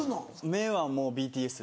目はもうＢＴＳ。